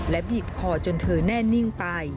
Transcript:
และบีบคอจนเธอแน่นิ่งไป